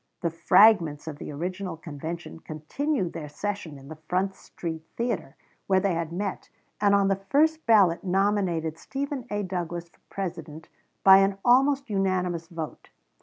The fragments of the original convention continued their session in the Front street Theater, where they had met, and on the first ballot nominated Stephen A. Douglas for President by an almost unanimous vote.